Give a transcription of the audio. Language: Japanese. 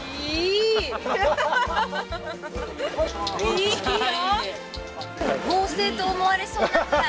いいよ！